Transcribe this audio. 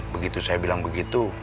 begitu saya bilang begitu